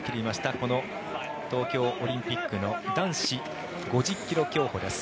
この東京オリンピックの男子５０ｋｍ競歩です。